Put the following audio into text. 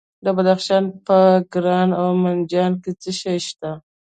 د بدخشان په کران او منجان کې څه شی شته؟